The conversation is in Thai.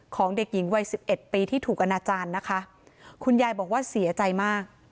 ของเด็กหญิงวัยสิบเอ็ดปีที่ถูกอนาจารย์นะคะคุณยายบอกว่าเสียใจมาก